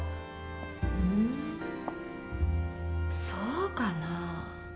うんそうかな？